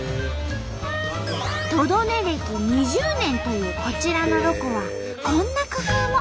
トド寝歴２０年というこちらのロコはこんな工夫も。